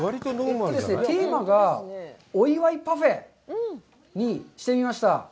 テーマが「お祝いパフェ」にしてみました。